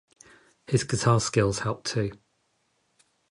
His guitar skills helped too.